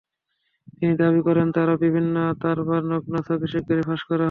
তিনি দাবি করেন, আরও বিভিন্ন তারকার নগ্ন ছবি শিগগিরই ফাঁস করা হবে।